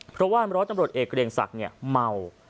เพราะว่าร้อยตำรวจเอกเกรียงศักดิ์เมา